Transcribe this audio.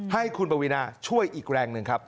ให้คุณปวีนาช่วยอีกแรงหนึ่งครับ